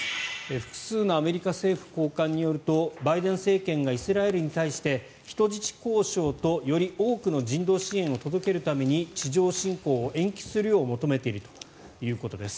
複数のアメリカ政府高官によるとバイデン政権がイスラエルに対して人質交渉と、より多くの人道支援を届けるために地上侵攻を延期するよう求めているということです。